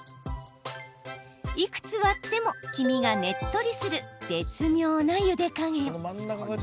いくつ割っても、黄身がねっとりする絶妙なゆで加減。